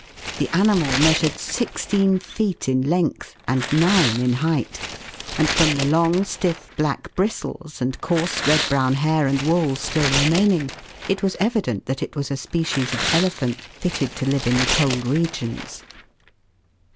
The animal measured sixteen feet in length and nine in height, and from the long, stiff, black bristles and coarse red brown hair and wool still remaining, it was evident that it was a species of elephant fitted to live in cold regions.